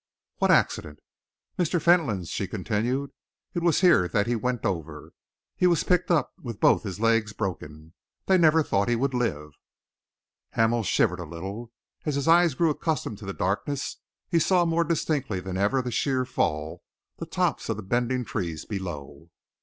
"What accident?" "Mr. Fentolin's," she continued. "It was here that he went over. He was picked up with both his legs broken. They never thought that he would live." Hamel shivered a little. As his eyes grew accustomed to the darkness, he saw more distinctly than ever the sheer fall, the tops of the bending trees below.